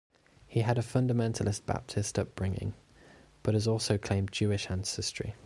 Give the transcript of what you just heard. He had a fundamentalist Baptist upbringing, but has also claimed Jewish ancestry.